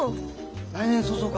来年早々か。